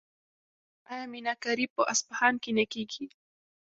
آیا میناکاري په اصفهان کې نه کیږي؟